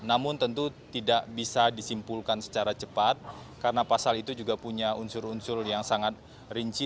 namun tentu tidak bisa disimpulkan secara cepat karena pasal itu juga punya unsur unsur yang sangat rinci